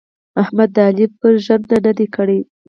احمد د علي پر ژنده نه دي کړي.